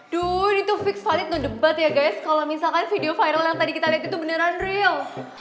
duh ini tuh fix valid no debat ya guys kalo misalkan video viral yang tadi kita liat itu beneran real